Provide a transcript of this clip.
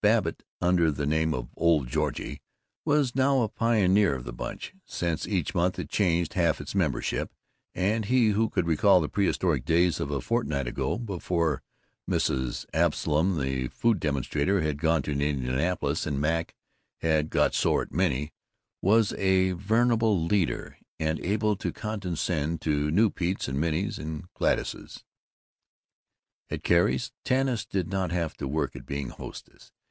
Babbitt, under the name of "Old Georgie," was now a pioneer of the Bunch, since each month it changed half its membership and he who could recall the prehistoric days of a fortnight ago, before Mrs. Absolom, the food demonstrator, had gone to Indianapolis, and Mac had "got sore at" Minnie, was a venerable leader and able to condescend to new Petes and Minnies and Gladyses. At Carrie's, Tanis did not have to work at being hostess.